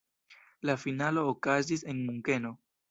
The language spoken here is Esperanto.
La finalo okazis en Munkeno.